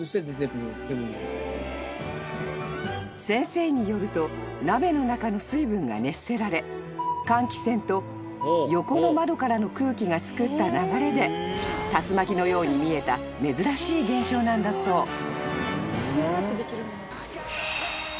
［先生によると鍋の中の水分が熱せられ換気扇と横の窓からの空気がつくった流れで竜巻のように見えた珍しい現象なんだそう］